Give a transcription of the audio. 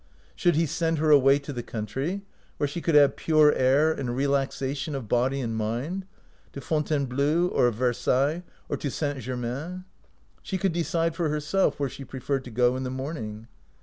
Should he send her away to the countiy, where she could have pure air and relaxation of body and mind — to Fontainebleau, or Versailles, or to St. Germain? She could decide for herself where she preferred to go in the morning.